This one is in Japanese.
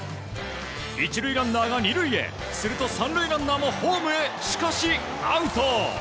１塁ランナーが２塁へすると３塁ランナーもホームへしかし、アウト。